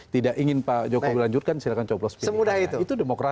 tidak ingin pak jokowi lanjutkan silahkan coblos pilihkannya